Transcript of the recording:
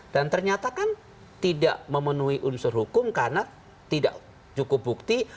dan ternyata kan tidak memenuhi unsur hukum karena tidak cukup bukti